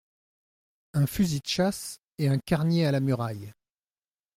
Un fusil de chasse et un carnier à la muraille.